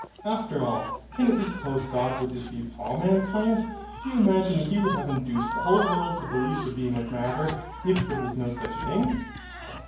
After all, can it be supposed God would deceive all mankind? Do you imagine He would have induced the whole world to believe the being of Matter, if there was no such thing?